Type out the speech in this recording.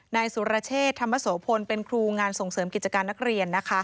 นายสุรเชษธรรมโสพลเป็นครูงานส่งเสริมกิจการนักเรียน